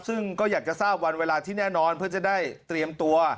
ซึ่งก็อยากจะทราบวันเวลาที่แน่นอนเพื่อจะได้เตรียมตัว